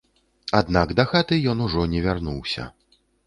Аднак дахаты ён ужо не вярнуўся.